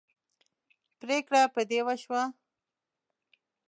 پرېکړه په دې وشوه.